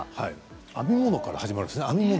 編み物から始まるんですね。